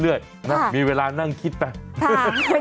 อยู่นี่หุ่นใดมาเพียบเลย